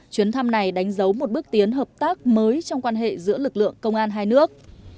chuyến thăm này đánh dấu một bước tiến hợp tác mới trong quan hệ giữa lực lượng công an hai nước